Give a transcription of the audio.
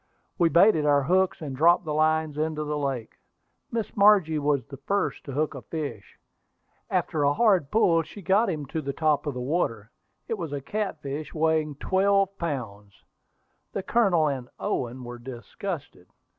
We baited our hooks, and dropped the lines into the lake. Miss Margie was the first to hook a fish. After a hard pull she got him to the top of the water. It was a catfish weighing twelve pounds. The Colonel and Owen were disgusted.